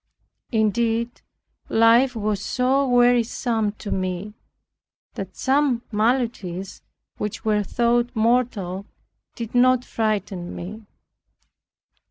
Indeed, life was so wearisome to me, that those maladies which were thought mortal did not frighten me.